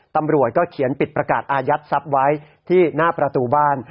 ตำรวจก็เขียนปิดประกาศอายัดทรัพย์ไว้ที่หน้าประตูบ้าน